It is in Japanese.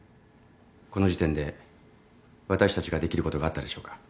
この時点で私たちができることがあったでしょうか？